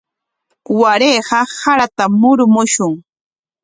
Warayqa saratam murumushun.